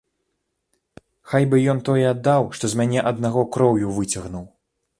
Хай бы ён тое аддаў, што з мяне аднаго кроўю выцягнуў!